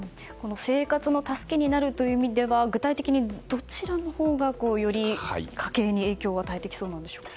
生活の助けになるという意味で具体的に、どちらのほうがより家計に影響を与えてきそうなんでしょうか？